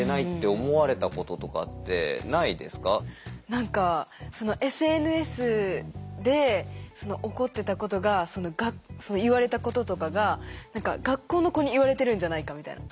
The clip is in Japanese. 何かＳＮＳで起こってたことがその言われたこととかが学校の子に言われてるんじゃないかみたいな。